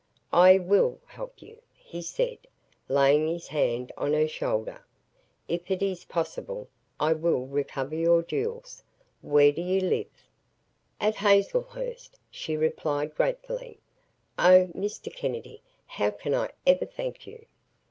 "I WILL help you," he said, laying his hand on her shoulder. "If it is possible I will recover your jewels. Where do you live?" "At Hazlehurst," she replied, gratefully. "Oh, Mr. Kennedy, how can I ever thank you?"